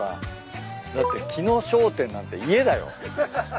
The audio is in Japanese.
だって木野商店なんて家だよ。